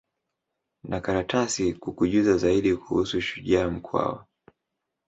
na karatasi kukujuza zaidi kuhusu shujaa mkwawa